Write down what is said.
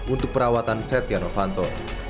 untuk perawatan setia novanto